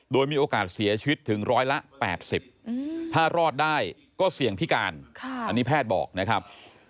โดยมีโอกาสเสียชีวิตถึงร้อยละ๘๐ถ้ารอดได้ก็เสี่ยงพิการอันนี้แพทย์บอกนะครับ